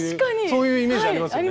そういうイメージありますよね。